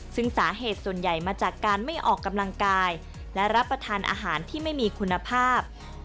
ซึ่งสาเหตุส่วนใหญ่มาจากการไม่ออกกำลังกายและรับประทานอาหารที่ไม่มีคุณภาพ